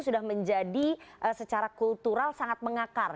sudah menjadi secara kultural sangat mengakar